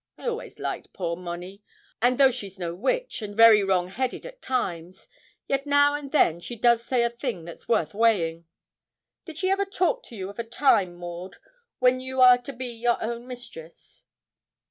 I always liked poor Monnie; and though she's no witch, and very wrong headed at times, yet now and then she does say a thing that's worth weighing. Did she ever talk to you of a time, Maud, when you are to be your own mistress?'